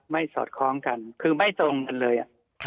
สอดคล้องกันคือไม่ตรงกันเลย